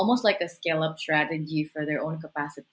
membenarkan cara berstruktur yang berbeda